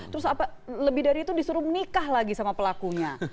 terus apa lebih dari itu disuruh menikah lagi sama pelakunya